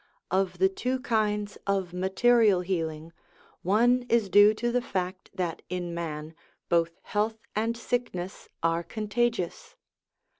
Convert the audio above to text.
Of the two kinds of material healing, one is due to \ the fact that in man both health and sickness are contagious.